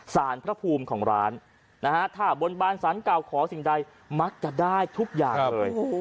สารพระภูมิของร้านนะฮะถ้าบนบานสารเก่าขอสิ่งใดมักจะได้ทุกอย่างเลย